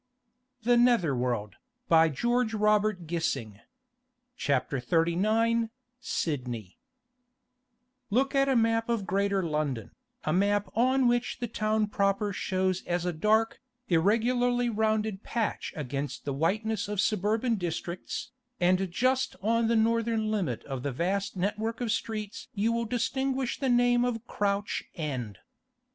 Why should my life be easier than his?' CHAPTER XXXIX SIDNEY Look at a map of greater London, a map on which the town proper shows as a dark, irregularly rounded patch against the whiteness of suburban districts, and just on the northern limit of the vast network of streets you will distinguish the name of Crouch End.